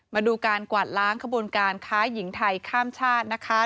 มาดูการกวาดล้างขบวนการค้าหญิงไทยข้ามชาตินะคะ